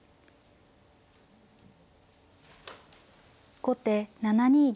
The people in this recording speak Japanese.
後手７二玉。